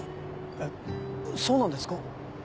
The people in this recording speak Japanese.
えっそうなんですか？